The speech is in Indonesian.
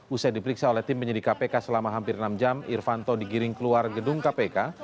usai diperiksa oleh tim penyidik kpk selama hampir enam jam irvanto digiring keluar gedung kpk